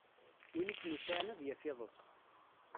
Win i kem-yesɛan ad yaf iḍes.